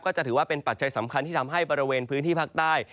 จะถือว่าเป็นปัจจัยสำคัญที่ทำให้บริเวณพื้นที่ภาคใต้